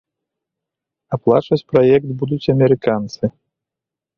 Аплачваць праект будуць амерыканцы.